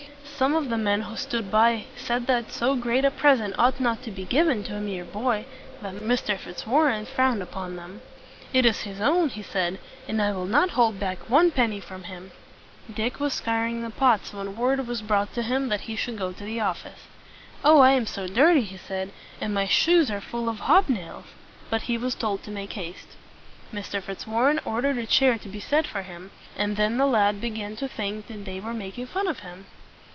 Some of the men who stood by said that so great a present ought not to be given to a mere boy; but Mr. Fitzwarren frowned upon them. "It is his own," he said, "and I will not hold back one penny from him." Dick was scouring the pots when word was brought to him that he should go to the office. "Oh, I am so dirty!" he said, "and my shoes are full of hob nails." But he was told to make haste. Mr. Fitzwarren ordered a chair to be set for him, and then the lad began to think that they were making fun of him.